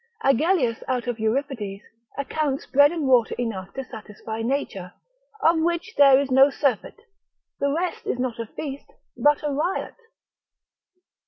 Agellius, out of Euripides, accounts bread and water enough to satisfy nature, of which there is no surfeit, the rest is not a feast, but a riot.